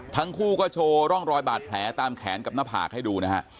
ทั้งคู่ก็โชว์ร่องรอยบาดแผลตามแขนกับหน้าผากให้ดูนะฮะ